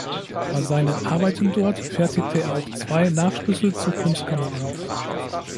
Bei seinen Arbeiten dort fertigte er auch zwei Nachschlüssel zur Kunstkammer an.